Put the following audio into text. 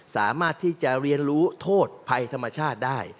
สามารถที่จะเรียนรู้โทษภัยธรรมชาติได้